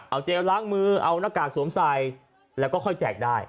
เอาเจลล้างมือเอาหน้ากากสวมใส่แล้วก็ค่อยแจกได้